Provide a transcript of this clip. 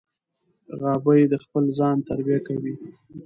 غابي د خپل ځان تربیه کوي.